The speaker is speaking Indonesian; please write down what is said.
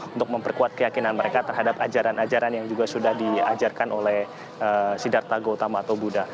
untuk memperkuat keyakinan mereka terhadap ajaran ajaran yang juga sudah diajarkan oleh sidarta gautama atau buddha